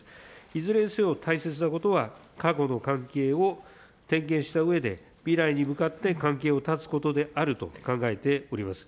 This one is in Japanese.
いずれにせよ、大切なことは過去の関係を点検したうえで、未来に向かって関係を断つことであると考えております。